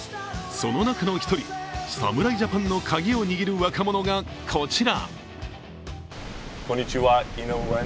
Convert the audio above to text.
その中の１人、侍ジャパンのカギを握る若者がこちら。